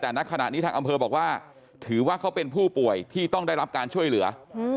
แต่ณขณะนี้ทางอำเภอบอกว่าถือว่าเขาเป็นผู้ป่วยที่ต้องได้รับการช่วยเหลือ